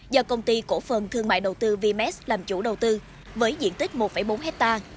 do công ty cổ phần thương mại đầu tư vms làm chủ đầu tư với diện tích một bốn hectare